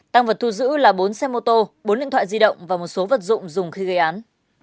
tăng vật thu giữ là bốn xe mô tô bốn điện thoại di động và một số vật dụng dùng khi gây án